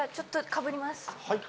かぶります。